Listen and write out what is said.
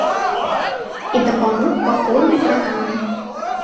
І дапамог па поўнай праграме.